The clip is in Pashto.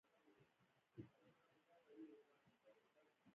انا د صبر او زغم سمبول ده